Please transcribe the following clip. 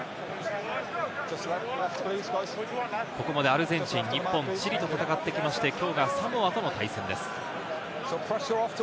ここまでアルゼンチン、日本、チリと戦ってきまして、きょうがサモアとの対戦です。